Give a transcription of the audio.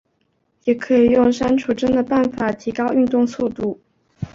也可以用删除帧的办法提高运动速度。